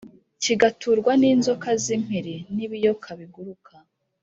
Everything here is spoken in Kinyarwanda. kigaturwa n’inzoka z’impiri, n’ibiyoka biguruka,